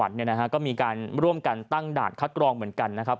เนี่ยนะฮะก็มีการร่วมกันตั้งด่านคัดกรองเหมือนกันนะครับ